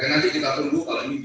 nanti kita tunggu kalau ini